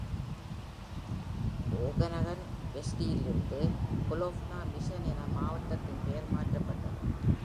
ஒகனகன் வெஸ்டிலிருந்து கெலோவ்னா-மிஷன் என மாவட்டத்தின் பெயர் மாற்றப்பட்டது.